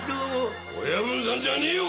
「親分さん」じゃねえよ